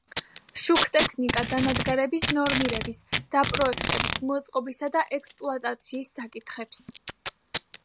შუქტექნიკა დანადგარების ნორმირების, დაპროექტების, მოწყობისა და ექსპლუატაციის საკითხებს.